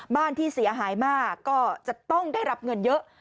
บ้านที่เสียหายมากก็จะต้องได้รับเงินเยอะ